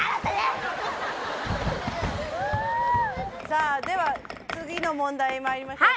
さあでは次の問題に参りましょう。